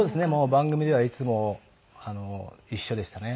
番組ではいつも一緒でしたね。